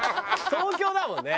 東京だもんね。